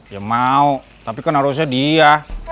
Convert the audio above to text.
ya mau tapi kan harusnya dia